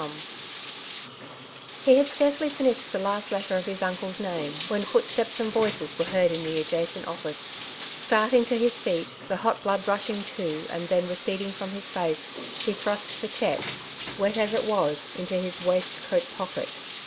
A Momenfs Delirium, 201 He had scarcely finished the last letter of his uncle's name, when footsteps and voices were heard in the adjacent oflBic^. Starting to his feet, the hot blood rushing to and then receding from his face, he thrust the cheque, wet as it was, into his waist coat pocket.